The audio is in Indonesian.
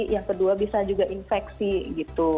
yang kedua bisa juga infeksi gitu